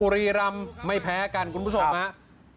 รีรำไม่แพ้กันคุณผู้ชมครับ